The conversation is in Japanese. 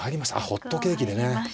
ホットケーキでね。